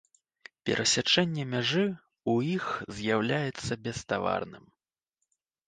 Перасячэнне мяжы ў іх з'яўляецца беставарным.